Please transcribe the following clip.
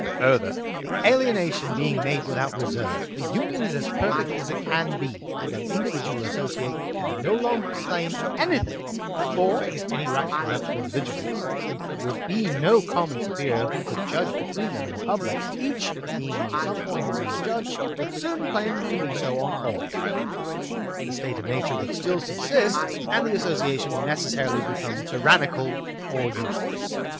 Further, the alienation being made without reserve, the union is as perfect as it can be, and an individual associate can no longer claim anything; for, if any rights were left to individuals, since there would be no common superior who could judge between them and the public, each, being on some point his own judge, would soon claim to be so on all ; the state of nature would still sub sist, and the association would necessarily become tyran nical or useless.